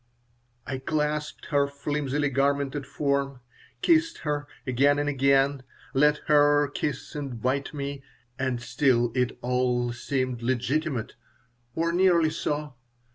I clasped her flimsily garmented form, kissed her again and again, let her kiss and bite me; and still it all seemed legitimate, or nearly so.